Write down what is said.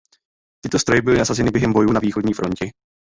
Tyto stroje byly nasazeny během bojů na východní frontě.